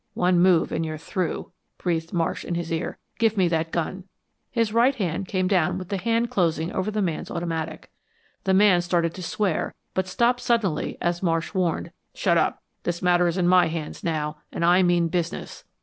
"One move and you're through!" breathed Marsh in his ear. "Give me that gun!" His right arm came down with the hand closing over the man's automatic. The man started to swear, but stopped suddenly as Marsh warned, "Shut up. This matter is in my hands now, and I mean business!"